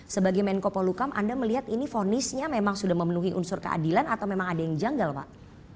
sebagai menko polukam anda melihat ini vonisnya memang sudah memenuhi unsur keadilan atau memang ada yang janggal pak